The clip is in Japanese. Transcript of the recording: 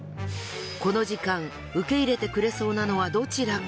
この時間受け入れてくれそうなのはどちらか？